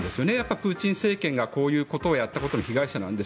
プーチン政権がこういうことをやったことの被害者なんです。